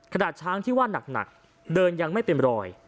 ช้างที่ว่านักเดินยังไม่เป็นรอย